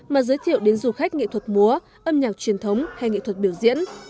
mà giới thiệu đến du khách nghệ thuật múa âm nhạc truyền thống hay nghệ thuật biểu diễn